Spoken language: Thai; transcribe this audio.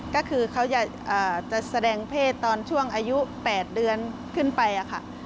ก็คือเขาจะแสดงเพศตอนช่วงอายุ๘เดือนขึ้นไปค่ะ